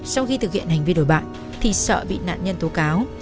sau khi thực hiện hành vi đổi bạc thì sợ bị nạn nhân tố cáo